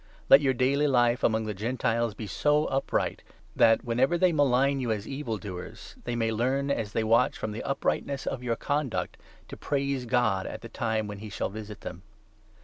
Let your daily life 12 among the Gentiles be so upright, that, whenever they malign you as evil doers, they may learn, as they watch, from the uprightness of your conduct, to praise God ' at the time when he shall visit them.'